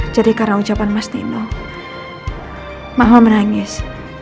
jadi karena ucapan mas nino mama menangis